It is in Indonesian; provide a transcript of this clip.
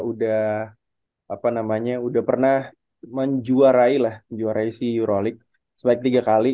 udah apa namanya udah pernah menjuarai lah menjuarai si euro league sebaik tiga kali